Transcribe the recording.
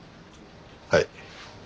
はい。